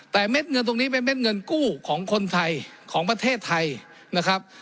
แต่เม็ดเงินตรงนี้เป็นเม็ดเงินกู้ของคนไทยของประเทศไทยนะครับ